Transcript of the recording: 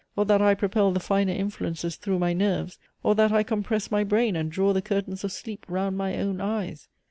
or that I propel the finer influences through my nerves! or that I compress my brain, and draw the curtains of sleep round my own eyes!